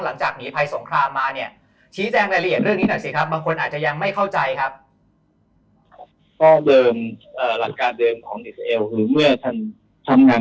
หลังจากหนีไพรสงครามมาเนี่ย